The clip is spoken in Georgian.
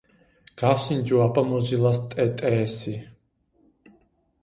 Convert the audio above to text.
გავსინჯო აბა მოზილას ტეტეესი